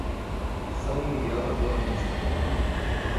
São Miguel da Boa Vista